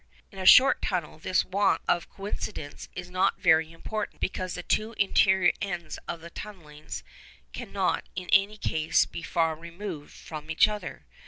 In a short tunnel this want of coincidence is not very important, because the two interior ends of the tunnellings cannot in any case be far removed from each other.